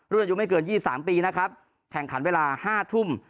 อายุไม่เกิน๒๓ปีนะครับแข่งขันเวลา๕ทุ่ม